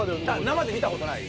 生で見た事ない？